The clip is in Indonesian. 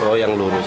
oh yang lurus